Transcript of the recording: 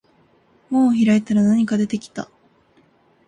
門を開いたら何か出てきた